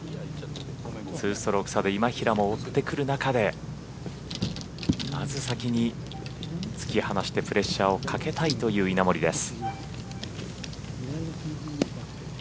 ２ストローク差で今平も追ってくる中でまず先に突き放してプレッシャーをかけたいという稲森です。